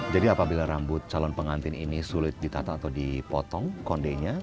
jadi apabila rambut calon pengantin ini sulit ditata atau dipotong kondenya